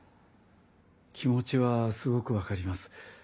気持ちはすごく分かります。